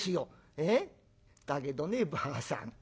だけどねばあさん